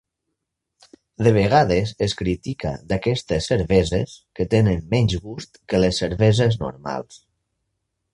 De vegades es critica d'aquestes cerveses que tenen menys gust que les cerveses normals.